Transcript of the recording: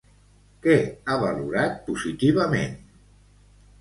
Què ha valorat positivament?